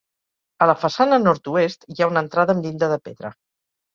A la façana nord-oest, hi ha una entrada amb llinda de pedra.